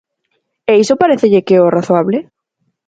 ¿E iso parécelle que é o razoable?